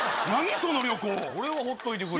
その旅行これはほっといてくれよ